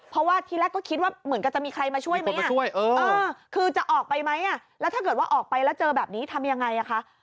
เพราะว่าที่แรกก็คิดว่าเหมือนกับจะมีใครมาช่วยไหมคือจะออกไปไหมแล้วถ้าเกิดว่าออกไปแล้วเจอแบบนี้ทำยังไงคะ